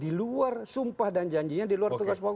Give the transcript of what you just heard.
di luar sumpah dan janjinya di luar tugas bagus